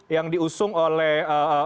yang diusung oleh